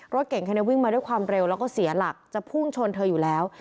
รถเก่งคันนี้วิ่งมาด้วยความเร็วแล้วก็เสียหลักจะพุ่งชนเธออยู่แล้ว